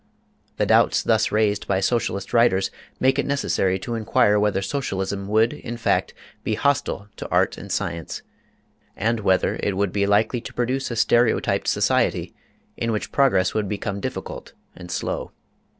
The doubts thus raised by Socialist writers make it necessary to inquire whether Socialism would in fact be hostile to art and science, and whether it would be likely to produce a stereotyped society in which progress would become difficult and slow.